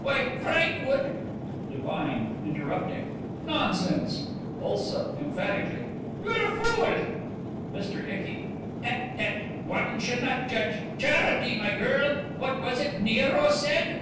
Why Frank would DIVINE: (Interrupting) Nonsense! ULSA: (Emphatically) You're a fool! MR. ICKY: Tut tut! ... One should not judge ... Charity, my girl. What was it Nero said?